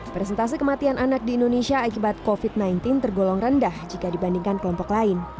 presentasi kematian anak di indonesia akibat covid sembilan belas tergolong rendah jika dibandingkan kelompok lain